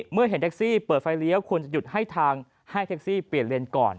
เมื่อเห็นแท็กซี่เปิดไฟเลี้ยวควรจะหยุดให้ทางให้แท็กซี่เปลี่ยนเลนส์ก่อน